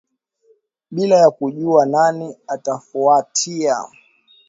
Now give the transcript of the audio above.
Bila ya kujua nani atafuatia